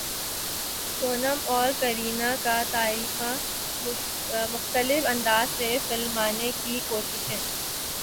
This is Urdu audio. سونم اور کرینہ کا تعریفاں مختلف انداز سے فلمانے کی کوشش